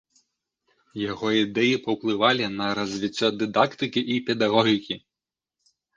Яго ідэі паўплывалі на развіццё дыдактыкі і педагогікі.